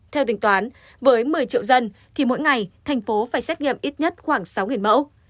theo tính toán với một mươi triệu dân thì mỗi ngày thành phố phải xét nghiệm ít nhất khoảng sáu mẫu